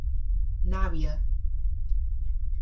Navia.